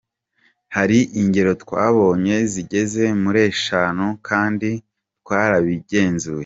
Hari ingero twabonye zigeze muri eshanu kandi twarabigenzuye.